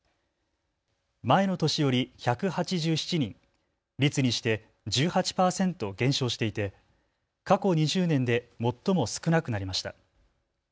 前の年より１８７人、率にして１８％減少していて過去２０年で最も少なくなりました。